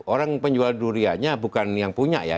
orang penjual duriannya bukan yang punya ya